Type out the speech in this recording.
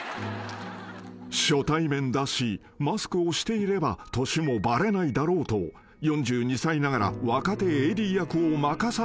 ［初対面だしマスクをしていれば年もバレないだろうと４２歳ながら若手ＡＤ役を任されていたのだ］